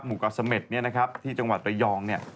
หมู่เกาะเสม็ดเนี่ยนะครับที่จังหวัดเรยองเนี่ย